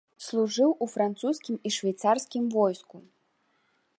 Служыў у французскім і швейцарскім войску.